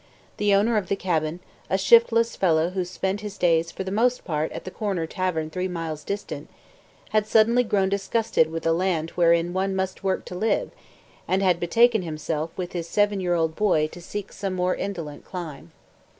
The owner of the cabin, a shiftless fellow who spent his days for the most part at the corner tavern three miles distant, had suddenly grown disgusted with a land wherein one must work to live, and had betaken himself with his seven year old boy to seek some more indolent clime.